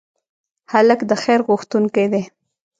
هلک د خیر غوښتونکی دی.